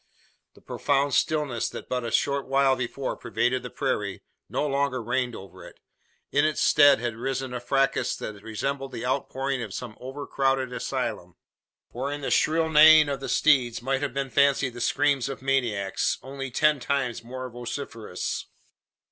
The profound stillness that but a short while before pervaded the prairie, no longer reigned over it. In its stead had arisen a fracas that resembled the outpouring of some overcrowded asylum; for in the shrill neighing of the steeds might have been fancied the screams of maniacs only ten times more vociferous.